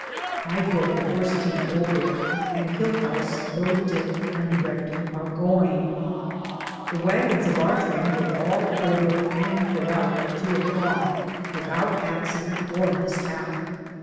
I drove the horse team over, and Hillhouse rode Dick and directed our going. The wagons of our train were all over and in cor ral by two o'clock without accident or mis hap.